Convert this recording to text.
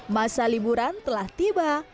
masa liburan telah tiba